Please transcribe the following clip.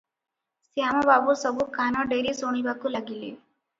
ଶ୍ୟାମ ବାବୁ ସବୁ କାନ ଡେରି ଶୁଣିବାକୁ ଲାଗିଲେ ।